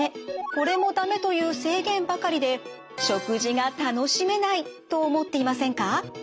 「これもダメ」という制限ばかりで食事が楽しめないと思っていませんか？